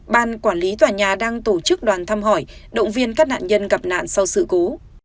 ban quản lý tòa nhà đang tổ chức đoàn thăm hỏi động viên các nạn nhân gặp nạn sau sự cố